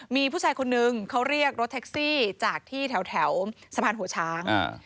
มีผู้ชายคนนึงเขาเรียกรถแท็กซี่จากที่แถวสะพานหัวช้าง